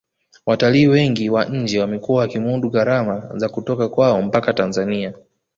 watalii wengi wa nje wamekuwa wakimudu gharama za kutoka kwao mpaka tanzania